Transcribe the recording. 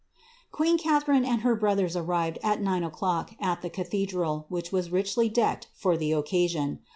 leen Catharine and her brothers arrived, at nine o'clock, at the ca al, which was richly decked for the occasion.